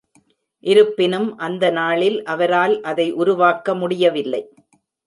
இருப்பினும், அந்த நாளில் அவரால் அதை உருவாக்க முடியவில்லை.